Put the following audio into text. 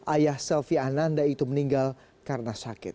ayah selvi ananda itu meninggal karena sakit